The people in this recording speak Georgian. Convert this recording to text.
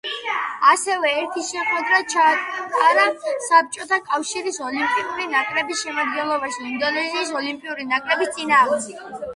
ასევე, ერთი შეხვედრა ჩაატარა საბჭოთა კავშირის ოლიმპიური ნაკრების შემადგენლობაში ინდონეზიის ოლიმპიური ნაკრების წინააღმდეგ.